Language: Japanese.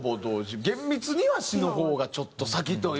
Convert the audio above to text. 厳密には詞の方がちょっと先という。